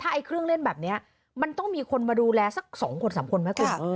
ถ้าที่เครื่องเล่นแบบนี้มันก็ต้องมีคนมาดูแลสักสองสามคนไหมคุณ